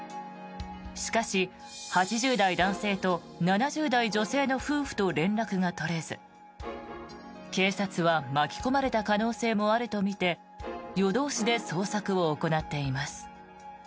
しかし、８０代男性と７０代女性の夫婦と連絡が取れず警察は巻き込まれた可能性もあるとみて夜通しで捜索を行っています。